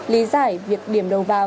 lý giải việc điểm đầu vào